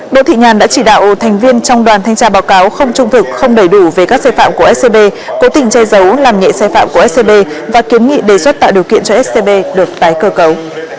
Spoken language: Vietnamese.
đỗ thị nhàn đã chỉ đạo thành viên trong đoàn thanh tra báo cáo không trung thực không đầy đủ về các sai phạm của scb cố tình che giấu làm nhẹ sai phạm của scb và kiến nghị đề xuất tạo điều kiện cho scb được tái cơ cấu